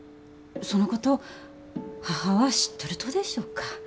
そのこと母は知っとるとでしょうか？